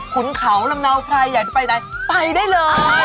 ขุนเขาลำเนาไพรอยากจะไปไหนไปได้เลย